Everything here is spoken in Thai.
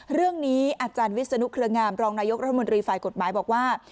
เรื่องนี้อาจารย์วิศนุเครืองามรองนายกรัฐมนตรีฝ่ายกฎหมายบอกว่า